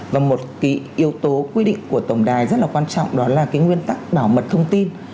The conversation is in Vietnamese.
và một cái yếu tố quy định của tổng đài rất là quan trọng đó là cái nguyên tắc bảo mật thông tin